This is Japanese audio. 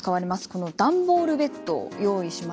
この段ボールベッドを用意しました。